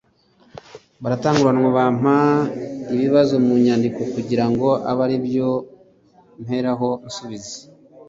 baratanguranwa bampa ibibazo mu nyandiko kugira ngo abe aribyo mperaho nsubiza